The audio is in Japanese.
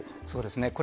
そうですね。